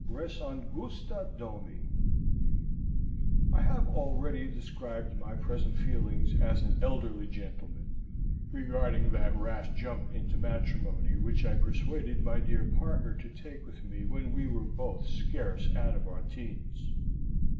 Res Angusta Domi I have already described my present feelings as an elderly gentleman, regarding that rash jump into matrimony, which I persuaded my dear partner to take with me when we were both scarce out of our teens.